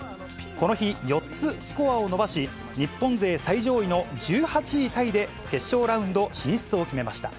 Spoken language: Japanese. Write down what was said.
この日、４つスコアを伸ばし、日本勢最上位の１８位タイで、決勝ラウンド進出を決めました。